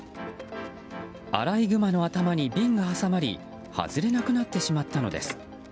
アライグマの頭に瓶が挟まり外れなくなってしまったのです。